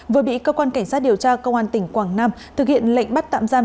vừa bị cơ quan cảnh sát điều tra công an tỉnh quảng nam thực hiện lệnh bắt tạm giam